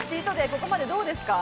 ここまでどうですか？